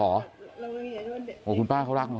โอ้คุณป้าเขารักคุณป้า